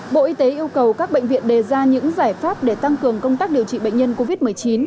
bộ y tế yêu cầu các bệnh viện đề ra những giải pháp để tăng cường công tác điều trị bệnh nhân covid một mươi chín